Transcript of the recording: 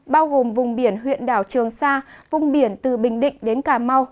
bao gồm vùng biển huyện đảo trường sa vùng biển từ bình định đến cà mau